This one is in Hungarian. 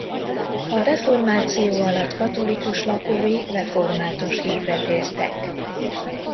A reformáció alatt katolikus lakói református hitre tértek.